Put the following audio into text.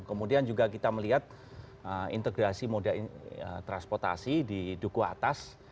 kemudian juga kita melihat integrasi moda transportasi di duku atas